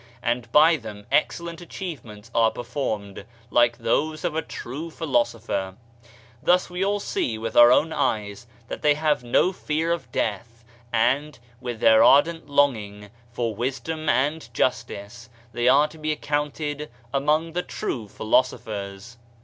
And by them excellent achievements are performed, like those of a true philosopher. Thus we all see with our own eyes that they have no fear of death, and, with their ardent longing for wisdom and justice, they are to be accounted among the true philosophers."